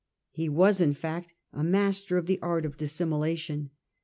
He was, in fact, a master in the art of dissimulation.